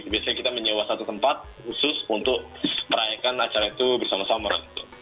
biasanya kita menyewa satu tempat khusus untuk merayakan acara itu bersama sama